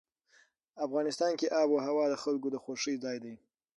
افغانستان کې آب وهوا د خلکو د خوښې ځای دی.